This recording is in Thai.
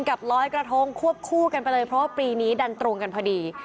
กับลอยกระทงควบคู่กันไปเลยเพราะว่าปีนี้ดันตรงกันพอดี